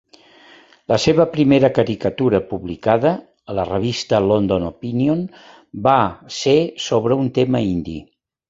La seva primera caricatura publicada, a la revista "London Opinion", va ser sobre un tema indi.